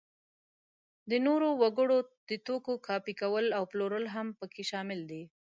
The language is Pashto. د نورو وګړو د توکو کاپي کول او پلورل هم په کې شامل دي.